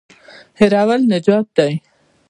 هېرول نجات نه دی.